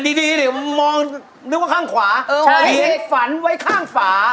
ดูข้างขวาฝานไวข้างฝา